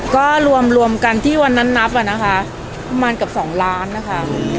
ก็รวมรวมกันที่วันนั้นนับอ่ะนะคะประมาณเกือบ๒ล้านนะคะ